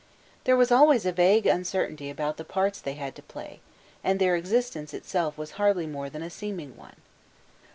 There was always a vague uncertainty about the parts they had to play, and their existence itself was hardly more than a seeming one.